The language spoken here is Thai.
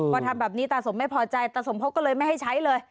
พอทำแบบนี้ตาสมไม่พอใจตาสมพบก็เลยไม่ให้ใช้เลย